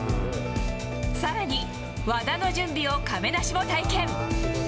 さらに、和田の準備を亀梨も体験。